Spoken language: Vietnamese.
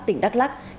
tỉnh đắk lắc